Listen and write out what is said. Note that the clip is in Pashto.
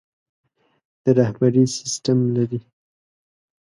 د رهبري سسټم لري.